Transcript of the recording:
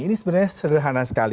ini sebenarnya sederhana sekali